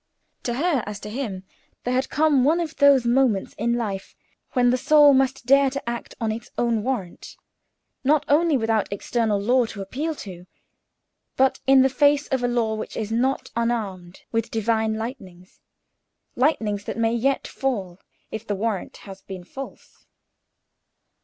To her, as to him, there had come one of those moments in life when the soul must dare to act on its own warrant, not only without external law to appeal to, but in the face of a law which is not unarmed with Divine lightnings—lightnings that may yet fall if the warrant has been false.